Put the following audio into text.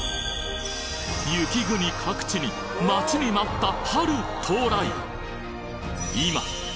雪国各地に待ちに待った春到来！